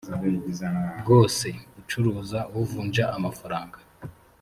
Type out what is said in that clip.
bwose ucuruza uvunja amafaranga